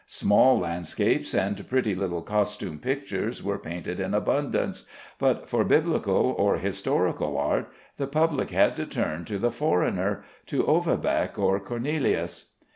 Small landscapes and pretty little costume pictures were painted in abundance, but for Biblical or historical art the public had to turn to the foreigner, to Overbeck or Cornelius.